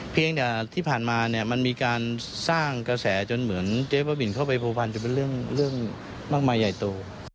เพียงแต่ที่ผ่านมาเนี่ยมันมีการสร้างกระแสจนเหมือนเจ๊บ้าบินเข้าไปผัวพันจะเป็นเรื่องมากมายใหญ่โต